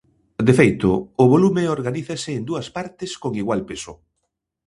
De feito, o volume organízase en dúas partes con igual peso.